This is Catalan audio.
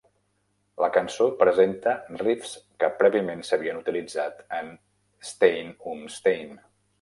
La cançó presenta riffs que prèviament s'havien utilitzat en "Stein um Stein".